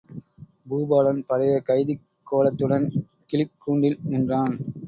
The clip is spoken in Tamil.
பூபாலன் பழைய கைதிக் கோலத்துடன் கிளிக் கூண்டில் நின்றான்.